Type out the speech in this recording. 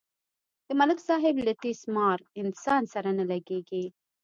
د ملک صاحب له تیس مار انسان سره نه لگېږي.